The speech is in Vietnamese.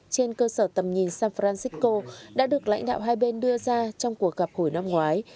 trên cơ sở tầm nhìn san francisco đã được lãnh đạo hai bên đưa ra trong cuộc gặp hồi năm ngoái